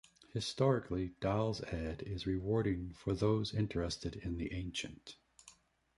Historically Dals-Ed is rewarding for those interested in the ancient.